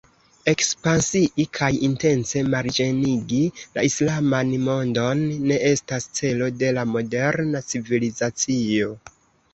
Ekspansii kaj intence marĝenigi la islaman mondon ne estas celo de la moderna civilizacio.